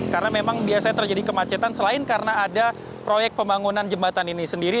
karena memang biasanya terjadi kemacetan selain karena ada proyek pembangunan jembatan ini sendiri